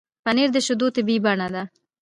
پنېر د شیدو طبیعي بڼه ده.